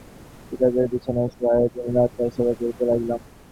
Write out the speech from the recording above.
সুবোধকে আমার বিছানায় শোয়াইয়া দিনরাত তার সেবা করিতে লাগিলাম।